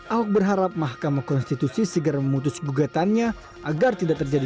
ahok berharap mahkamah konstitusi segera memutus gugatannya agar tidak terjadi